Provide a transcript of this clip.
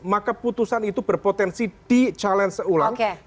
maka putusan itu berpotensi di challenge ulang